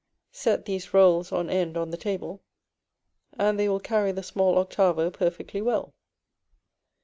Set these rolls on end on the table, and they will carry the small octavo perfectly well.